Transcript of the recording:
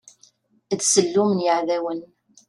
D sellum n yiɛdawen.